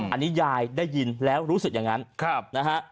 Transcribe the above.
อันนี้ยายได้ยินแล้วรู้สึกอย่างนั้นนะฮะ